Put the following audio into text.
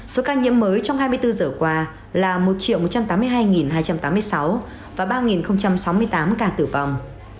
số ca nhiễm mới trong hai mươi bốn giờ qua là một một trăm tám mươi hai hai trăm tám mươi sáu và ba sáu mươi tám ca tử vong